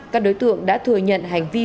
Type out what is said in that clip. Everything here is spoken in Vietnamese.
các đối tượng đã thừa nhận hành vi